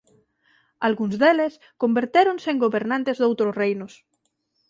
Algúns deles convertéronse en gobernantes doutros reinos.